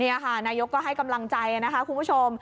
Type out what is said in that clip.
นี่ค่ะนายกก็ให้กำลังใจนะคะคุณผู้ชม